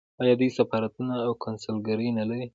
آیا دوی سفارتونه او کونسلګرۍ نلري؟